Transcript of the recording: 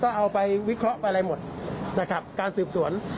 ก็เอาไปวิเคราะห์ไปอะไรหมดนะครับการสืบสวน